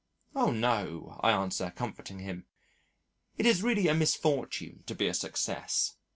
"Oh! no," I answer, comforting him, "it is really a misfortune to be a success."